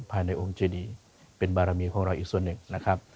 ภายในองค์เจดีเป็นบารมีของเราอีกส่วนหนึ่งนะครับ